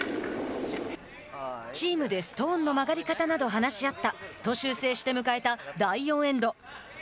チームでストーンの曲がり方などを話し合ったと修正して迎えた第４エンド。